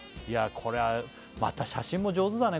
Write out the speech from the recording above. これはまた写真も上手だね